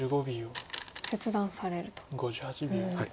切断されると。